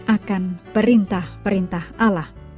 akan perintah perintah allah